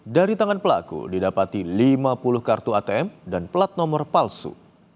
dari tangan pelaku didapati lima puluh kartu atm dan plat nomor palsu